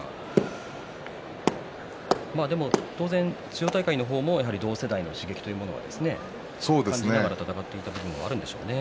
当然、千代大海の方もやはり同世代の刺激というものを感じながら戦ってきた部分があるでしょうね。